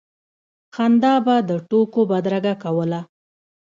خندا به د ټوکو بدرګه کوله.